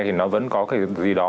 thì nó vẫn có cái gì đó